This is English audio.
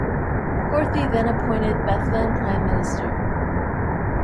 Horthy then appointed Bethlen prime minister.